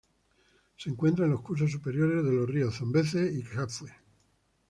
Se encuentra en los cursos superiores de los ríos Zambeze y Kafue.